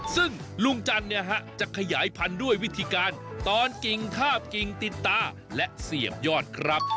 ซึ่งลุงจันทร์จะขยายพันธุ์ด้วยวิธีการตอนกิ่งคาบกิ่งติดตาและเสียบยอดครับ